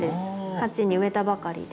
鉢に植えたばかりで。